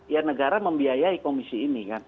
ya negara membiayai komisi ini kan